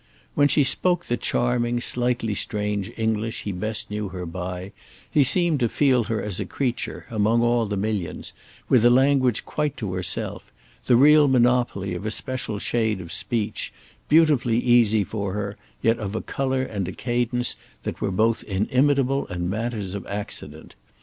When she spoke the charming slightly strange English he best knew her by he seemed to feel her as a creature, among all the millions, with a language quite to herself, the real monopoly of a special shade of speech, beautifully easy for her, yet of a colour and a cadence that were both inimitable and matters of accident.